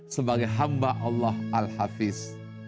sebagai hamba allah al hafiz